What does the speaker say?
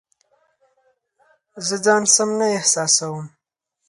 زه ځان سم نه احساسوم